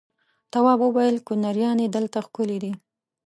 تواب وويل: کنریانې دلته ښکلې دي.